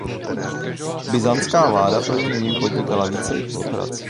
Byzantská vláda proti nim podnikala více operací.